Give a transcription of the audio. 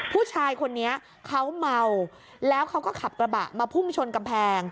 ผู้ชายคนนี้เขาเมาแล้วเขาก็ขับกระบะมาพุ่งชนกำแพง